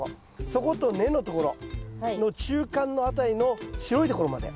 そこと根のところの中間の辺りの白いところまで。